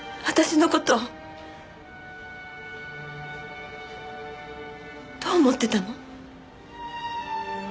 私の事どう思ってたの？